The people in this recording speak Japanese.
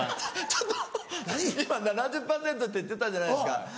ちょっと今７０％って言ってたじゃないですか。